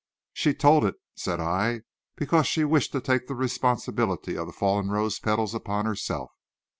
"She told it," said I, "because she wished to take the responsibility of the fallen rose petals upon herself.